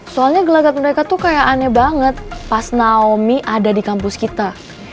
soalnya gelagat mereka tuh kayak aneh banget pas naomi ada di kampus kita